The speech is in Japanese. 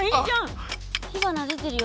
火花でてるよ。